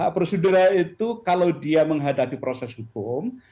prosedural itu kalau dia menghadapi proses hukum